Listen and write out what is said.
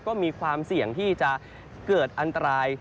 ก็มีความเสี่ยงที่จะเกิดอันตราย